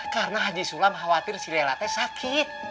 karena haji sula khawatir si nelela sakit